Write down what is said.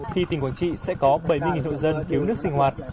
thì tỉnh quảng trị sẽ có bảy mươi nội dân kiếm nước sinh hoạt